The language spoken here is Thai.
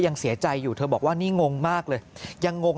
ยังเสียใจอยู่เธอบอกว่านี่งงมากเลยยังงง